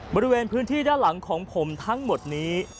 บริเวณพื้นที่ด้านหลังของผมทั้งหมดนี้